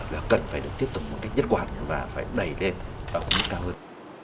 là cần phải được tiếp tục một cách nhất quản và phải đẩy lên và cung cấp cao hơn